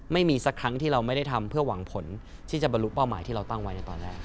ไม่มีสักครั้งที่เราไม่ได้ทำเพื่อหวังผลที่จะบรรลุเป้าหมายที่เราตั้งไว้ในตอนแรก